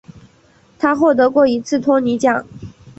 他获得过一次托尼奖。